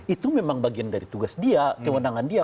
itu memang bagian dari tugas dia kewenangan dia